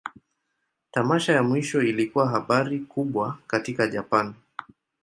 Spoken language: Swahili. Tamasha ya mwisho ilikuwa habari kubwa katika Japan.